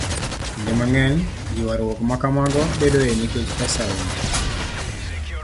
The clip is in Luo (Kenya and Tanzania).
Kinde mang'eny, ywaruok ma kamago bedoe nikech pesa onge,